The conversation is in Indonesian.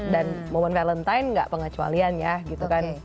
momen valentine gak pengecualian ya gitu kan